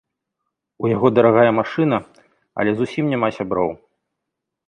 У яго дарагая машына, але зусім няма сяброў.